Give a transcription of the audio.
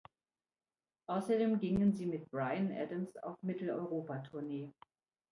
Außerdem gingen sie mit Bryan Adams auf Mitteleuropa-Tournee.